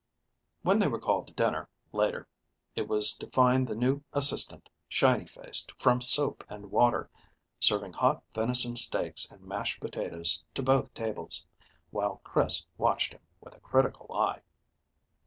When they were called to dinner later, it was to find the new assistant, shiny faced from soap and water, serving hot venison steaks and mashed potatoes to both tables, while Chris watched him with a critical eye.